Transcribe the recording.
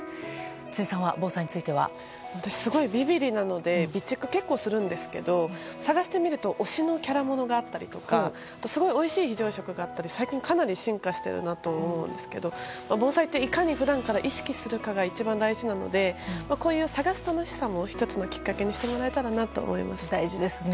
辻さんは、防災については？すごいビビりなので備蓄を結構するんですけども探してみると推しのキャラものがあったりすごいおいしい非常食があって最近すごく進化しているなと思うんですが防災っていかに普段から意識するかが一番大事なのでこういう探す楽しさも１つのきっかけにしてもらえたらなと思いますね。